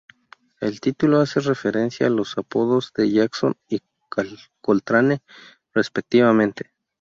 El título hace referencia a los apodos de Jackson y Coltrane, respectivamente.